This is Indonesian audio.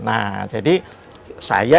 nah jadi saya